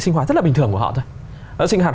sinh hoạt rất là bình thường của họ thôi sinh hoạt